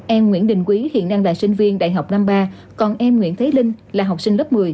em nguyễn đình quý hiện đang là sinh viên đại học năm mươi ba còn em nguyễn thế linh là học sinh lớp một mươi